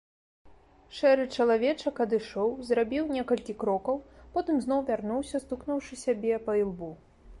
Шэры чалавечак адышоў, зрабіў некалькі крокаў, потым зноў вярнуўся, стукнуўшы сябе па ілбу.